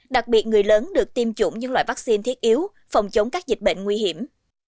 đặc biệt người lớn được tiêm chủng những loại vaccine thiết yếu phòng chống các dịch bệnh nguy hiểm